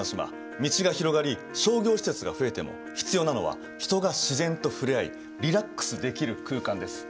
道が広がり商業施設が増えても必要なのは人が自然と触れ合いリラックスできる空間です。